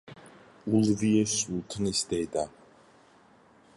ულვიე სულთნის დედა.